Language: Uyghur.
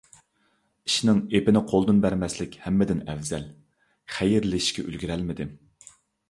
ئىشنىڭ ئېپىنى قولدىن بەرمەسلىك ھەممىدىن ئەۋزەل، خەيرلىشىشكە ئۈلگۈرەلمىدىم.